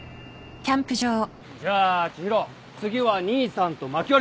じゃあ知博次は兄さんとまき割りだ！